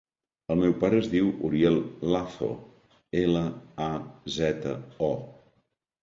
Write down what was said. El meu pare es diu Uriel Lazo: ela, a, zeta, o.